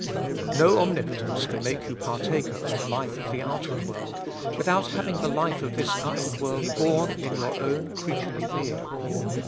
2. "No omnipotence can make you partaker of the life of the outward world without having the life of this outward world born in your own creaturely being.